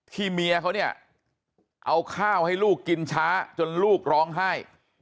เมียเขาเนี่ยเอาข้าวให้ลูกกินช้าจนลูกร้องไห้